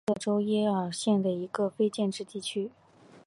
奇克拉是位于美国阿肯色州耶尔县的一个非建制地区。